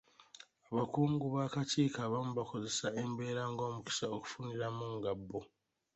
Abakungu b'akakiiko abamu bakozesa embeera ng'omukisa okufuniramu nga bo.